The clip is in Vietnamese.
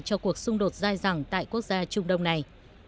cho cuộc xung đột dài dẳng tại quốc gia trung đông này